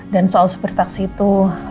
dan soal super taksi itu